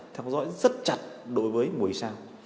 theo dõi rất chặt đối với mối sao